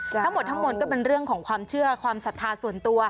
ทั้งหมดทั้งหมดก็เป็นเรื่องของความเชื่อความศรัทธาส่วนตัว